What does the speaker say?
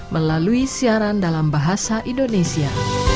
melalui siaran dalam bahasa indonesia